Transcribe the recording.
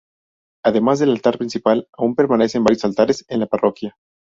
Además del altar principal, aún permanecen varios altares en la parroquia.